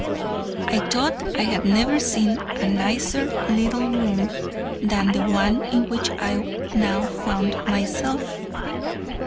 I thought I had never seen a nicer little room than the one in which I now found myself.